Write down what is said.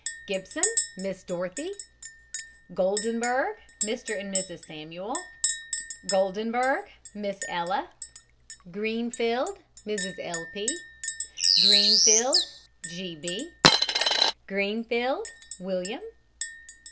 GIBSON, MISS DOROTHY. GOLDENBERG, MR. AND MRS. SAMUEL. GOLDENBERG, MISS ELLA. GREENFIELD, MRS. L. P. GREENFIELD, G. B. GREENFIELD, WILLIAM.